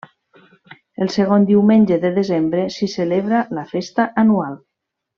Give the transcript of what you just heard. El segon diumenge de desembre s'hi celebra la festa anual.